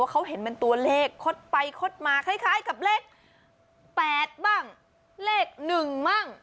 เขาเห็นเป็นตัวเลขคดไปคดมาคล้ายกับเลข๘บ้างเลข๑บ้าง